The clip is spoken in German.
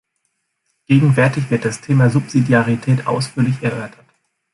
Gegenwärtig wird das Thema Subsidiarität ausführlich erörtert.